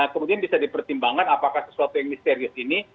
kemudian bisa dipertimbangkan apakah sesuatu yang misterius ini